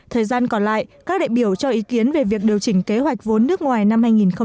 thời gian còn lại các đại biểu cho ý kiến về việc điều chỉnh kế hoạch vốn nước ngoài năm hai nghìn hai mươi